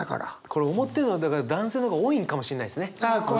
これ思ってるのはだから男性の方が多いんかもしんないですね。